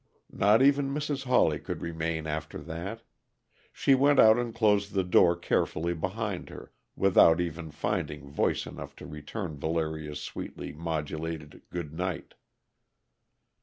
Not even Mrs. Hawley could remain after that. She went out and closed the door carefully behind her, without even finding voice enough to return Valeria's sweetly modulated good night.